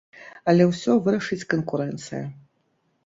Але ўсё вырашыць канкурэнцыя.